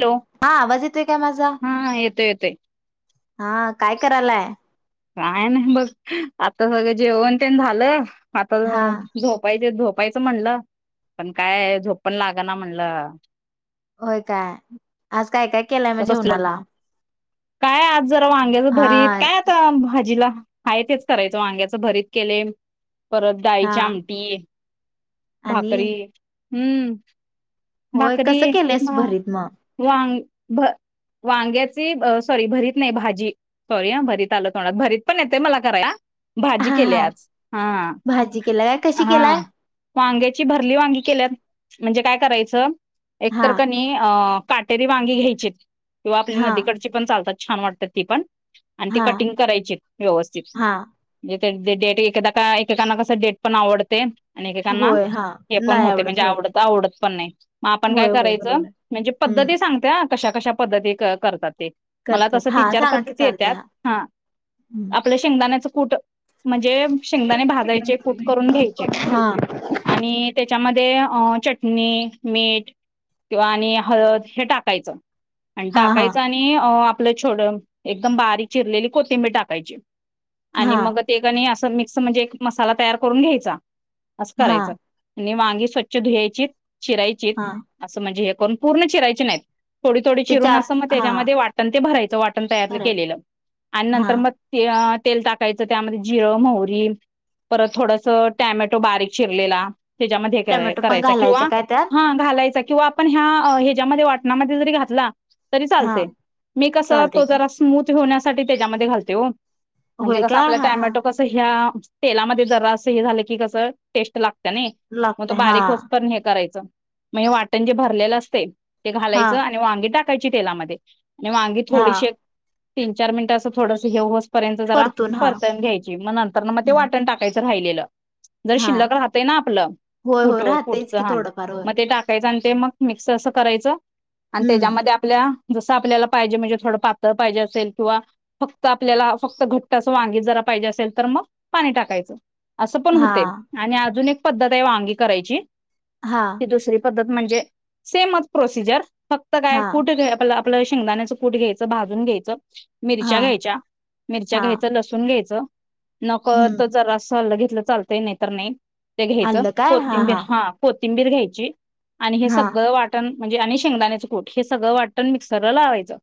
Hello हा आवाज येतोय काय माझा? हा येतोय येतोय हा काय करायलाय? काय नाही बघ आता सगळं जेवण तेण झालं. आता हा झोपायचे झोप झोपायचं म्हणलं पण काय झोप पण लागना म्हणलं होय काय आज काय काय.. केलाय म तसच जेवणाला? काय आज जरा वांग्याच हा भरीत काय आता भाजीला हाय तेच करायचं वांग्याच भरीत केलय, परत हा डाळीची आमटी, आणि भाकरी हम्म होय कसं भाकरी केलेस भा भरीत मग? वां.. वांग्याची सॉरी भरीत नाही भाजी सॉरी हं भरीत आलं तोंडात भरीत पण येते मला करायला भाजी हा हा केल्या आज हा भाजी केलाय काय कशी हा केलाय? वांग्याची भरली वांगी केल्यात म्हणजे काय करायचं च हा एकतर का नाही अ काटेरी वांगी घ्यायची किंवा आपली हा नदीकडची पण चालतात छान वाटतात ती पण आणि ते हा कटिंग करायचीत व्यवस्थित हा म्हणजे देट एखादा एकेकांना कसं देट पण आवडते. आणि एकेकांना होय हा हे पण नाही होते आवडत म्हणजे होय. आवडतं आवडत.. पण नाही. मग आपण काय होय होय बरोबर करायचं आहे. म्हणजे हम्म पद्धती सांगते ह कशा कशा पद्धती क करतात ते मला तस करतात हा तीन चार सांगा की पद्धती चालतंय येत्यात, हा हम्म. आपल्या शेंगदाण्याच कुट. म्हणजे शेंगदाणे भाजायचे, कुट करून घ्यायचे हा आणि त्याच्यामध्ये ते अ चटणी, मीठ किंवा आणि हळद हे टाकायचं. आणि हा हा टाकायच आणि अ आपलं छोडं, एकदम बारीक चिरलेली कोथिंबीर टाकायची. आणि हा मग ते कणी अस मिक्स म्हणजे, एक मसाला तयार करून घ्यायचा. असं हा करायचं. आणि वांगी स्वच्छ धुयायचीत. शिरायची हा असं म्हणजे हे पण पूर्ण चिरायची नाहीत. थोडी थोडी ते चिरून चार असतं मग हा त्याच्यामध्ये वाटण ते भरायचा वाटण तयार न भराय केलेलं आणि हा नंतर म य तेल टाकायचं त्यामध्ये जिरं, मोहरी परत थोडसं टोमॅटो बारीक चिरलेला. त्याच्यामध्ये करा टोमॅटो पण करायचा घालायचं किंवा काय त्यात? हा घालायचा. किंवा आपण ह्या ह्याच्यामध्ये वाटणामध्ये जरी घातला तरी हा चालतंय. मी कस चालतंय तो की. जरा स्मूथ होण्यासाठी त्याच्यामध्ये घालते हो. म्हणजे, होय कसं काय आपल्या हा हा टॅमॅटो कसं ह्या तेलामध्ये जर असं हे झालं की कसं टेस्ट लाग नाही मग लागतय तो हा बारीकोस पण हे करायचं. म हे वाटण जे भरलेलं असते. ते हा घालायचं आणि वांगी [unintelligible] कच्ची तेलामध्ये. आणि वांगी हा थोडीशे तीन-चार मिनट असं थोडं हे [unintelligible] र्यंत जरा परतून घ्यायची मग नंतर म ते हम्म वाटण टाकायच. राहिलेलं. जर हा शिल्लक राहतंय ना आपलं होय होय राहतेच की [unintelligible] थोडंफार होय मग ते टाकायचं आणि ते मग मिक्स असं करायचं. आणि हम्म त्याच्यामध्ये आपल्या जसं आपल्याला पाहिजे म्हणजे थोडं पातळ पाहिजे असेल किंवा फक्त आपल्याला, फक्त घट्टचं वांगी जरा पाहिजे असेल तर मग पाणी टाकायचं. असं पण हा होते आणि अजून एक पद्धत आहे वांगी करायची हा ते दुसरी पद्धत म्हणजे सेम प्रोसिजर फक्त काय हा कुठे घय आपलं शेंगदाण्याचं कूट घ्यायचं, भाजून घ्यायचं हा मिरच्या घ्यायच्या, मिरच्या हा घ्यायचं, लसूण घ्यायचं नक त हम्म सरास आलं चालत नाही तर नाही. ते घ्यायचं कोथिंबीर हा कोथिंबीर घ्यायची. आणि हे हा सगळं वाटण म्हणजे आणि शेंगदाण्याचं कूट हे सगळं वाटण मिक्सरला लावायचं.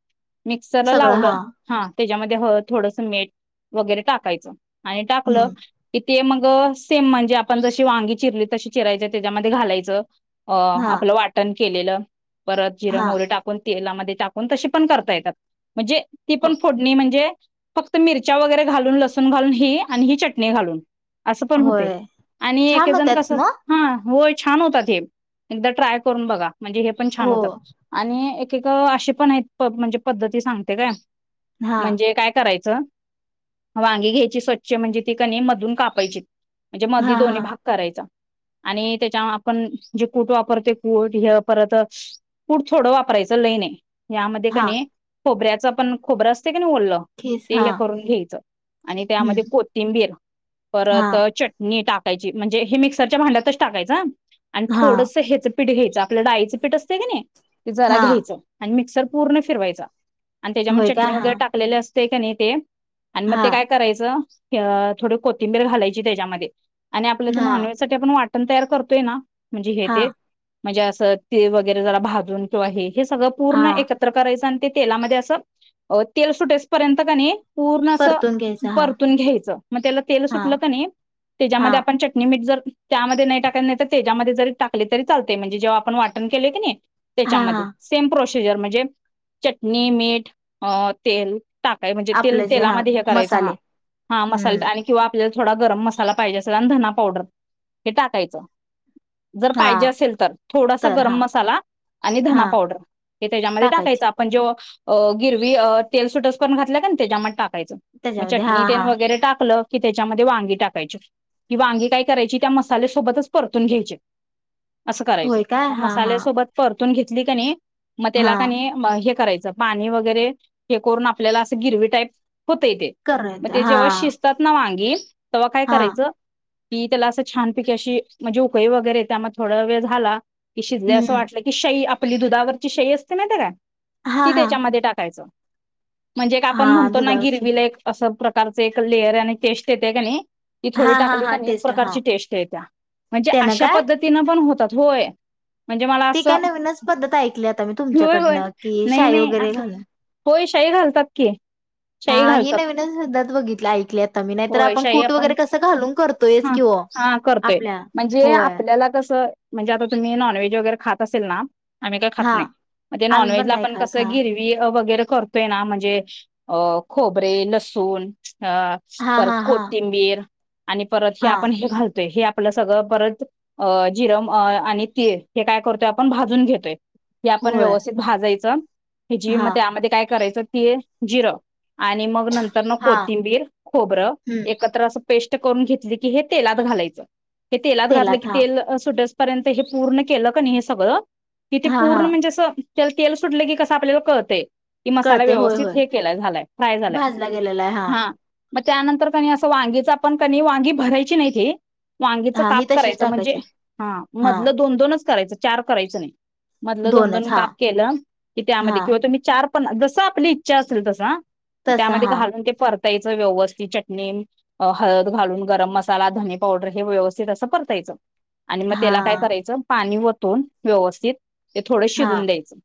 मिक्सरला लावलं हा. त्याच्यामध्ये थोडस हळद, मीठ वगैरे टाकायचं. आणि टाकलं हम्म क ते मग सेम म्हणजे आपण जशी वांगी चिरली तशी चिरायच्या त्यामध्ये घालायचं. अ हा आपलं वाटण केलेलं परत जिरे, हा मोहरी वगैरे टाकून तेलामध्ये टाकून तसे पण करता येतात. म्हणजे ती पण फोडणी म्हणजे फक्त मिरच्या वगैरे घालून, लसूण घालून ही आणि ही चटणी घालून असं पण होते होय आणि छान एकजण होत्यात कस मग हा होय छान होता ते एकदा ट्राय करून बघा. म्हणजे हे पण छान हो होतात आणि अशी पण आहेत म्हणजे पद्धती सांगते काय हा म्हणजे काय करायचं? वांगी घ्यायची स्वच्छ म्हणजे ती कणी मधून कापायची म्हणजे मधी हा हा दोन्ही भाग करायचा. आणि त्याच्या आपण जे कूट वापरो कूट हे परत कूट थोडं वापरायचं लई नाही. यामध्ये का हा नाही. खोबऱ्याचा पण खोबरं अस असतय कणी ओल खीस हा ते करून घ्यायच आणि त्यामध्ये हम्म कोथिंबीर हा परत चटणी टाक म्हजे हे मिक्सरच्या भांड्यात. टाकायचा. आणि हा थोडस हेच पीठ घ्यायचं आपलं डाळीचे पीठ असतें का नाही? जरा हा घ्यायचं आणि मिक्सर पूर्ण फिरवायचा. आणि होय त्याच्यामुळे काय चटणी हा वगैरे टाकलेले अस ते कन ते आणि मग हा ते काय करायचं? अ थोडी कोथिंबीर घालायची त्याच्यामध्ये. आणि आपल्या ती हा नॉनव्हेजसाठी आपण वाट पण तयार करतोय ना, म्हणजे हे हा ते म्हणजे असं ते वगैरे जरा भाजून किंवा हे हे सगळ हा पूर्ण एकत्र करायचं आणि ते तेलामध्ये असं तेल सुटेस पर्यंत कणी पूर्ण अस परतून घ्यायचा हा परतून घ्यायचं मग त्याला तेल हा सुटलं कणी नाही हा त्याच्यामध्ये आपण चटणी मीठ जर त्यामध्ये नाही टाक नाही तर त्याच्यामध्ये जरी टाकले तरी चालतय म्हणजे जेव्हा आपण वाटण केले की नाही. हा हा त्याच्यामध्ये सेम प्रो प्रोसीजर म्हणजे चटणी मीठ तेल टाकाय म्हणजे तेल आपलं जे हा तेलामध्ये हे करायचं हा मसाले हा मसाला हम्म आणि किंवा आपल्याला थोडा गरम मसाला पाहिजेल धना पावडर हे टाकायचं जर हा पाहिजे असेल तर थोडासा तर गरम हा मसाला, आणि हा धना पावडर हे त्याच्यामध्ये टाकायचं टाकायचे आपण जे अ गिरवी तेल सुटस पण घातल्या का त्याच्यामध्ये टाक टाकायच मग त्याच्यामध्ये हा चटणी तेन हा वगैरे टाकलं. की त्याच्यामध्ये वांगी टाकायची की वांगी काय करायची? त्या मसाल्यासोबतच परतून घ्यायचे. असं करायचं होय काय हा हा मसाल्यासोबत परतू परतून घेतली का नाही? मग हा त्याला काणी [unintelligible] करायच पाणी वगैरे हे करून आपल्याला अस गिरवी टाईप होतय ते मग करत ते हा जेव्हा शिजतात ना वांगी तेव्हा काय हा करायचं की त्याला असं छानपिक अशी म्हणजे उकळी वगैरे त्यामध्ये थोडा वेळ झाला क शि असं हम्म वाटलं की श आपली दुधावरची शाई असते ना त्यारा हा ती हा त्याच्यामध्ये टाकायचं म्हणजे आपण हा म्हणतो ना दुधावरची गिरविलेक अस कालच एक ल येर आणि चेष्ट येते का नाही ती थोडी हा हा टाकली हा का नाई एक टेस्ट हा प्रकारची टेस्ट येते या म्हणजे ते ना अशा काय पद्धतीने पण होत [unintelligible] ती काय नवीनच पद्धत ऐकली आता मी होय होय तुमच्याकडनं की नाही शाई नाही वगैरे असं घालून [unintelligible] घालतात की. हा शाई हे घालतात नवीनच [unintelligible] बघितले ऐकले आता मी नाही तर होय आपण शाई कूट वगैरे कसं घालून करतोयच हा वो. हा करतोय म्हणजे आपल्याला कसं म्हणजे आता तुम्ही नॉनव्हेज वगैरे खात असेल ना. आम्ही काही खात हा नाही म्हण आम्ही पण नॉनव्हेजला नाही आपण कस खात हा गिरवी वगैर करतोय ना म्हणजे अ खोबरे लसूण हा हां, परत हां, हां, कोथिंबीर. आणि परत हे आपण हां. हे हे आपलं सगळं परत अ जिरम आणि तिळ हे काय करतोय आपण भाजून घेतोय हे आपण होय. व्यवस्थित भाजायचं हेजी मग हां, त्यामध्ये काय करायचं आणि मग नं तर हां. कोथिंबीर खोबरं हं. एकत्र अस पेस्ट करून घेतली की हे तेलात घालायचं ते तेलात घातलं की तेल सुट् पर्यंत हे पूर्ण केलं की ना हे सगळं इथे हां, पूर्ण हां. म्हणजे असं तेल तेल सुटले की कसं आपल्याला कळत कि मसाला कळतंय. होय, व्यवस्थित होय. हे केलाय झालाय फ्राय झालाय भाजला गेलेला आहे. हां, हा. मग त्यानंतर की नाई असं वांगीच पण की नाई वांगी भरायली ची [unintelligible] वांगीच हां. काप ही तशीच करायचं म्हणजे टाकायची. हा हां. मधलं दोन दोनच करायचं चार करायचं नाही. मधलं दोन दोन हां, काप केलं की त्यामध्ये किंवा हां. तुम्ही चार पण जस आपली इच्छा असेल तसा हा. तसं त्यामध्ये हां, घालून ते परत व्यवस्थित चटणी हळद घालून गरम मसा मसाला धनी पावडर हे व्यवस्थित असं परतायचं. आणि मग त्याला काय हां, करायचं पाणी वत दोन व्यवस्थित ते थोडं हां. शिजून द्यायचं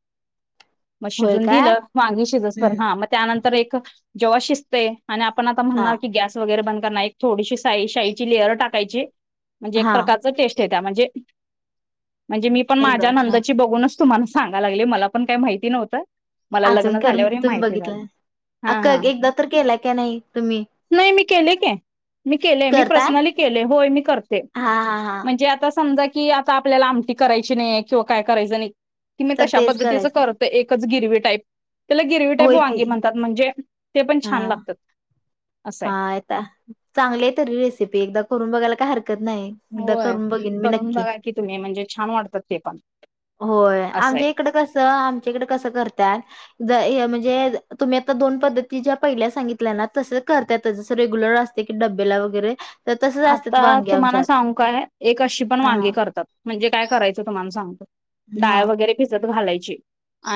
मग होय शिजून काय? दिलं वांगी शिजत पण हं. हा मग त्यानंतर एक जेव शिस्त आहे आणि आपण आता हां, म्हणणार की गॅस वगरे बंद थोडीशी साई शा लेहरं टाकायची म्हणजे एक हां. प्रकारचं टेस्ट म्हणजे म्हणजे मी पण माझ्या एकदम छान. नंदाची बघूनच तुम्हाला सांगा लागले मला पण काही माहिती नव्हतं मला अजून लग्न करून झाल्यावर हे तुम्ही माहिती झाली बघितलं अ हा का हा एकदा तर केला का नाही तुम्ही नाही मी केले का मी केले मी करताय? पर्सनलि केलाय होय मी करतेय हां, हां, हां. म्हणजे आता समजा कि आता आपल्याला आमटी करायची नाही किंवा काय करायचं नाही की मी तर तशा तेच पद्धतीच करायचं. करतो गिरवी टाईप त्याला गिरवी टाईप होय की. वांगी म्हणतात म्हणजे ते पण छान हां. लागतात असं हा आहे. आता चांगले आहे तरी रेसिपी एकदा करून बघाय काय हरकत नाही होय. करून बघ मी करून नक्की बघा की तुम्ही म्हणजे छान वाटतात ते पण होय, असं आहे. आमच्या इकडं कस आमच्या इकडे कस करत्यात ज य म्हणजे तुम्हीआता दोन पद्ध ज्या पहिल्या सांगितल्या तस करत्यात जसं रेग्युलर असते की डब्याला वगैरे तर तसच असतात आता वांगी तुम्हाला आमच्यात सांगू काय? एक अशी पण हा वांगी करतात म्हणजे काय करायचं तुम्हाला सांगतो? हा डाळ वगैरे भिजत घालायची ची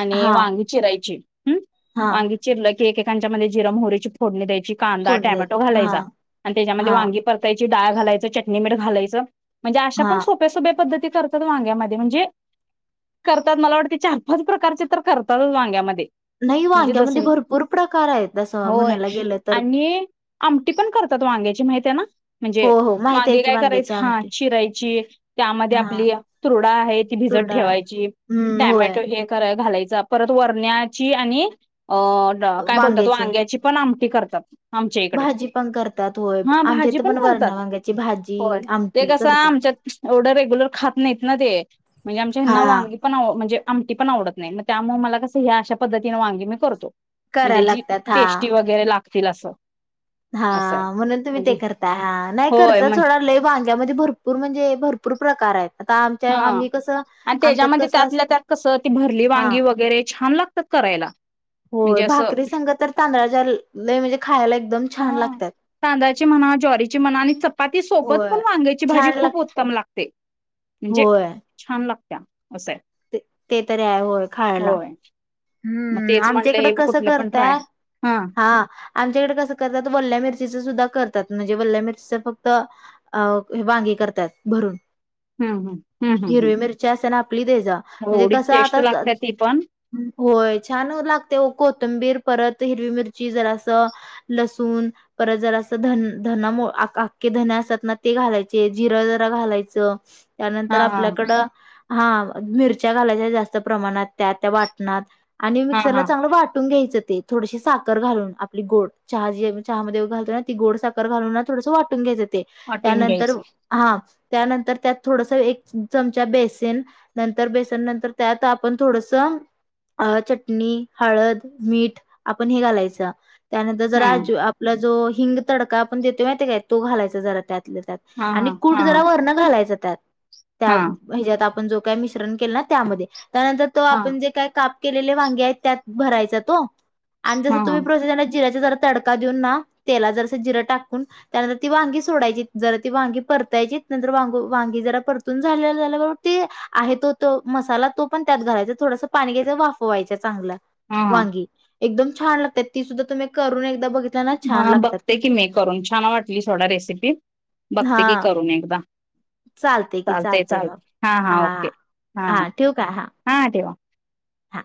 आणि हा वांगी चिरायची हम् हा वांगी चिरले - ठीक ये त्याच्या मध्ये जिर, मोहरीची फोडणी द्यायची रचि, कांदा, फोडणी द्यायची टोमॅटो हा घालायाचा अन त्याच्यामध्ये हा वांगी पर ची डाळ घालायचं चटणी मिठ घालायचं म्हणजे अशा हा पण सोप्या सोप्या पद्धती करतात वांग्यामध्ये म्हणजे करतात मला वाटते चार पाच प्रकारचे तर करतात वांग्यामध्ये नाही म्हणजे जसं वांग्यामध्ये भरपूर प्रकार आहेत असं होय म्हणायला गेलं तर आणि आमटी पण करतात वांग्याची माहती आहे ना? हो म्हणजे हो माहिती आहेत वांगे की काय करायच वांग्याची हा आमटी चिरायची त्यामध्ये हा आपली तूर डाळ आहे ती भिजत तुरडाळ ठेवायची हम्म होय टॅमॅटो हे घालायची परत वरण्याची आणि अ काय बोलतात तो वांग्याची पण आम ते करतात. आमच्या भाजी पण करतात होय आमच्या ते पण करतात वरणा वांग्याची होय भाजी ते आमटी कसं करतात आमच्यात एवढं रेगुलर खात नाहीत. नदी ये म्हणजे आमच्या हा यांना वांगी पण आव म्हणजे आमटी पण आवडत नाही मग त्यामुळे मला कस ह्या अशा पद्धतीने वांगी मी करतो म्हणजे करायला जी लागतात हा टेस्टी वगैरे लागते तील असं हा असं आहे म्हणून तुम्ही म्हणजे ते करता. हा नाही होय करत म्हण थोडा लय वांग्यामध्ये भरपूर म्हणजे भरपूर प्रकार आहेत. आता हा आमच्या आम्ही कसं आणि आमच्यात त्याच्यामध्ये कसं अस त्यातल्या त्यात कसं ती भरली हा वांगी वगैरे छान लागतात करायला होय म्हणजे अस भाकरी संग तर तांदळाच्या लय म्हणजे खायला एकदम छान हा लागतात तांदळाची म्हणा, ज्वारीची म्हणा, आणि चपाती सोबत होय पण वांग्याची भाजी छान लाग खूप उत्तम लागते ते म्हणजे होय छान लागत. ते ते तरी आहे होय खायला होय मग हम्म तेच आमच्या म्हटलं इकडे हे कसं कुठलं पण ट्राय करतय हा आमच्याकडे कसं करत वल्ल्या मिरचीच सुद्धा करतात म्हणजे वल्ल्या मिर फक्त अ वांगी करतात भरून. हम् हम् हम् हम् हम् हिरवी मिरची असे ना आपली दे जा म्हणजे एवढी कसं टेस्ट आता लागते ती पण होय छान लागते कोथंबीर परत हिरवी मिरची जरा असं लसूण परत जरा असं धन धना अख्खे धन असतात ना ते घालायचे जिरं जरा घालायचं हा त्यानंतर हा आपल्याकडं हा मिरच्या घालायच्या जास्त प्रमाणात त्या त्या वाट ना आणि हा मिक्सर ला हा चांगलं वाटून घ्यायचं थोडशी साखर घालून आपली गोड चहा जी चहा मध्ये घलतो ना ती गोड साखर घाून ना थोडसं वाटून घ्यायच वाटून त्यानंतर घ्यायचं हा त्यानंतर त्यात थोडस एक चमचा बेसन नंतर बेसन नंतर त्यात आपण थोडस अ चटणी हळद मीठ आपण हे घालायचं. त्यानंतर जर हम्म राज आपला जो हिंग तडका आपण देतो माहिती काय तो घालायचा जरा त्यात हा आणि हा कुट हा जरा वरण घालायचं. त्यात त्या हा हयाच्यात आपण जो का मिश्रण केलं ना त्यामध्ये त्यानंतर तो हा आपण जे काय सा केलेले वांगे आहेत त्यात भरायचा तो. आणि जसं हा हा तुम्ही जिऱ्याची जरा तडका देऊन ना तेला जरास जिरं टाकून त्यानंतर ती वांगी सोडायची जरा ती वांगी परतायची नंतर वां वांगी जरा परतून झाले ते आहे तो तो मसाला तो पण त्यात घालायचा थोडासा पाणी घ्यायचं वाफवायचं चांगलं. हा वांगी. एकदम छान लागतात ती सुद्धा तुम्ही करून एकदा बघितल्या ना छान हा लागतात ती बघते की मी करून छान वाटली थोडा रेसिपी हा बघते की करून एकदा चालते चालते हा हां ओके हा हा हा ठेवा. हा.